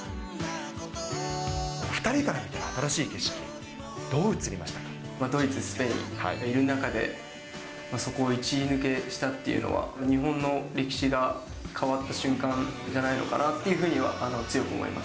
２人から見た新しい景色、ドイツ、スペインいる中で、そこを１位抜けしたっっていうのは、日本の歴史が変わった瞬間じゃないのかなってふうには強く思います。